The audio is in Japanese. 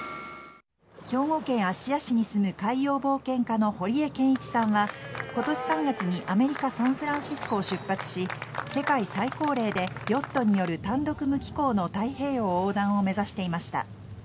兵庫県芦屋市に住む海洋冒険家の堀江謙一さんは今年３月にアメリカ・サンフランシスコを出発し世界最高齢でヨットによる単独無寄港の太平洋横断を目指していました。